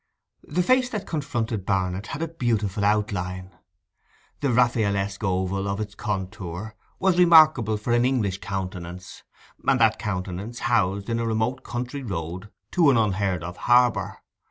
The face that confronted Barnet had a beautiful outline; the Raffaelesque oval of its contour was remarkable for an English countenance, and that countenance housed in a remote country road to an unheard of harbour.